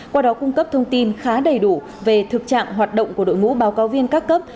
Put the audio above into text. qua đó cung cấp thông tin khá đầy đủ về thực trạng hoạt động của đội ngũ báo cáo viên các cấp